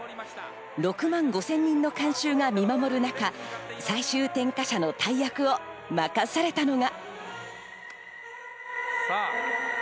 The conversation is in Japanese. ６万５０００人の観衆が見守る中、最終点火者の大役を任されたのが。